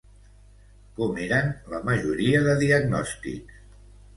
Com eren la majoria de diagnòstics?